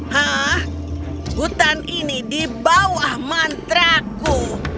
hah hutan ini di bawah mantraku